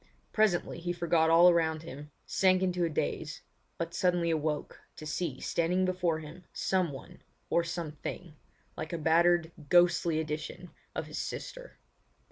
Presently he forgot all around him, sank into a daze, but suddenly awoke to see standing before him someone or something like a battered, ghostly edition of his sister.